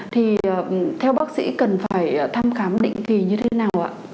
thì theo bác sĩ cần phải thăm khám định kỳ như thế nào ạ